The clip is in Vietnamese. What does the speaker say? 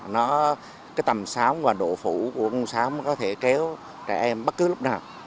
nó cái tầm sáo và độ phủ của con sáo nó có thể kéo trẻ em bất cứ lúc nào